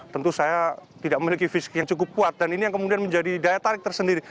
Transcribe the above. tentu saya tidak memiliki fisik yang cukup kuat dan ini yang kemudian menjadi daya tarik tersendiri